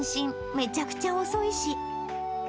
めちゃくちゃ遅いし。